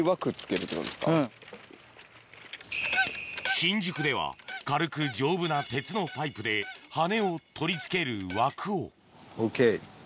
新宿では軽く丈夫な鉄のパイプで羽根を取り付ける枠をＯＫ。